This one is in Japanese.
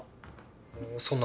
そんな。